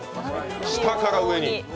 下から上に。